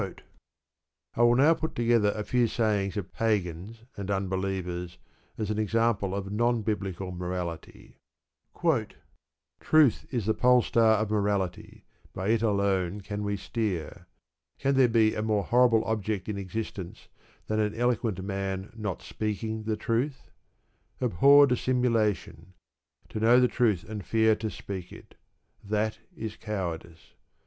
I will now put together a few sayings of Pagans and Unbelievers as an example of non biblical morality: Truth is the pole star of morality, by it alone can we steer. Can there be a more horrible object in existence than an eloquent man not speaking the truth? Abhor dissimulation. To know the truth and fear to speak it: that is cowardice.